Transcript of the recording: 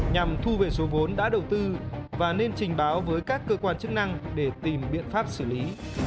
nhằm thu về số vốn đã đầu tư và nên trình báo với các cơ quan chức năng để tìm biện pháp xử lý